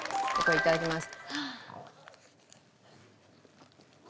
いただきます。